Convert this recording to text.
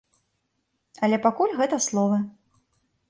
Але пакуль гэта словы.